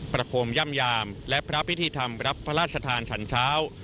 โคมย่ำยามและพระพิธีธรรมรับพระราชทานฉันเช้า